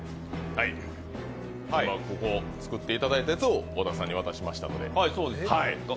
はい、ここ、作っていただいたやつを小田さんに渡しましたので。